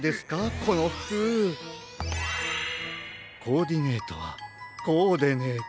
コーディネートはこうでねと！